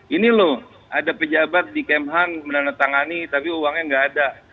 ini loh ada pejabat di kemhan menandatangani tapi uangnya nggak ada